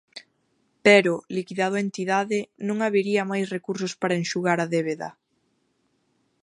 Pero, liquidado a entidade, non habería máis recursos para enxugar a débeda.